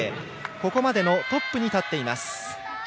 ここまでのトップに立っています。